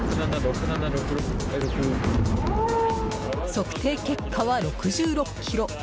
測定結果は６６キロ。